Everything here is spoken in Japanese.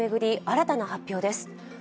新たな発表です。